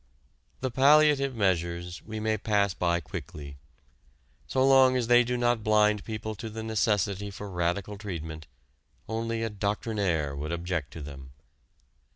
The palliative measures we may pass by quickly. So long as they do not blind people to the necessity for radical treatment, only a doctrinaire would object to them.